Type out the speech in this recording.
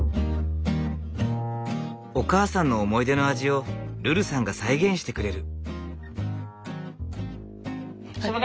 お母さんの思い出の味をルルさんが再現してくれる。